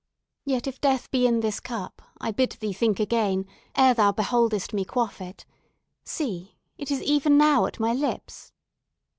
Yet, if death be in this cup, I bid thee think again, ere thou beholdest me quaff it. See! it is even now at my lips."